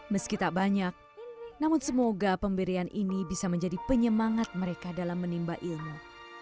meski tak banyak namun semoga pemberian ini bisa menjadi penyemangat mereka dalam menimba ilmu